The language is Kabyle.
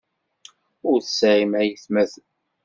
Ur tesɛim aytmaten.